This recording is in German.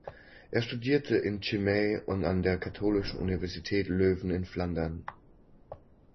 Er studierte in Chimay und an der Katholischen Universität Leuven in Flandern.